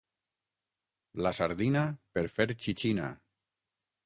La sardina, per fer xixina.